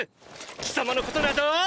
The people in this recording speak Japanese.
貴様のことなど！